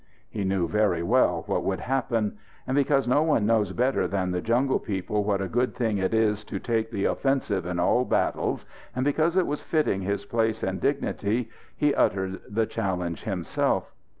He knew very well what would happen. And because no one knows better than the jungle people what a good thing it is to take the offensive in all battles, and because it was fitting his place and dignity, he uttered the challenge himself.